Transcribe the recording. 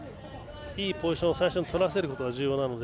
いいポジションを最初にとらせることが重要なので